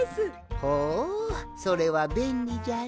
ほうそれはべんりじゃな。